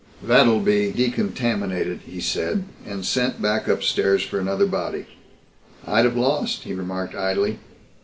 "That'll be decontaminated," he said, "and sent back upstairs for another body. I'd have lost," he remarked idly.